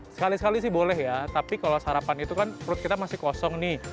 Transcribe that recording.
sekali sekali sih boleh ya tapi kalau sarapan itu kan perut kita masih kosong nih